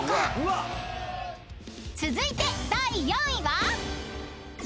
［続いて第４位は］